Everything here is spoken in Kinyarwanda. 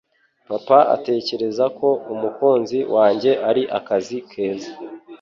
Papa atekereza ko umukunzi wanjye ari akazi keza